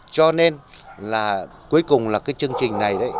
cho nên cuối cùng là chương trình này